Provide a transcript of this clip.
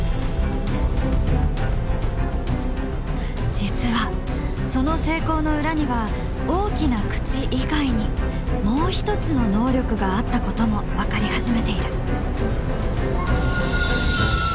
実はその成功の裏には大きな口以外にもうひとつの能力があったことも分かり始めている。